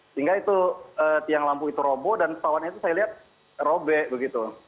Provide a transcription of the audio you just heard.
sehingga itu tiang lampu itu robo dan pesawatnya itu saya lihat robek begitu